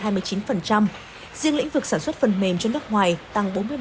riêng lĩnh vực sản xuất phần mềm cho nước ngoài tăng bốn mươi ba